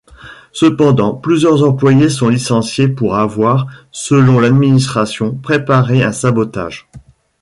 Cependant, plusieurs employés sont licenciés pour avoir, selon l'administration, préparé un sabotage.